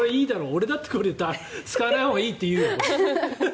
俺だって使わないほうがいいって言うよ。